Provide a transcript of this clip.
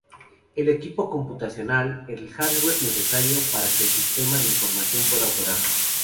El equipo computacional: el hardware necesario para que el sistema de información pueda operar.